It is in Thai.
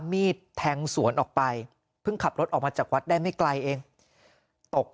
มีดแทงสวนออกไปเพิ่งขับรถออกมาจากวัดได้ไม่ไกลเองตก